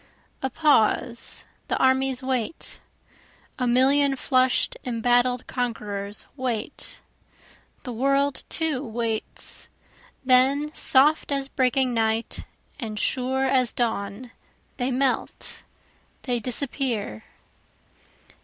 A pause the armies wait, A million flush'd embattled conquerors wait, The world too waits, then soft as breaking night and sure as dawn, They melt, they disappear.